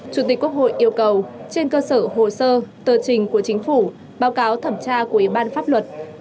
chủ tịch quốc hội yêu cầu trên cơ sở hồ sơ tờ trình của chính phủ báo cáo thẩm tra của ủy ban pháp luật